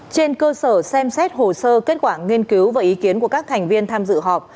trên cơ sở xem xét hồ sơ kết quả nghiên cứu và ý kiến của các thành viên tham dự họp